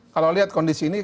kalau lihat kondisi ini